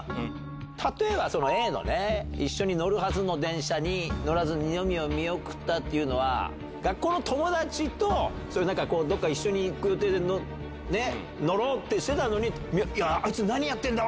例えばＡの「一緒に乗るはずの電車に乗らずに二宮を見送った」っていうのは学校の友達とどっか一緒に行く予定で乗ろうってしてたのにあいつ何やってんだ！